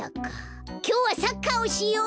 きょうはサッカーをしよう！